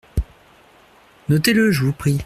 Notez-le ! je vous prie.